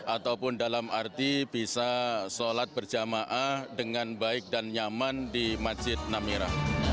ataupun dalam arti bisa sholat berjamaah dengan baik dan nyaman di masjid namira